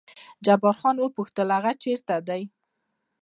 جبار خان مې وپوښت هغه چېرې دی؟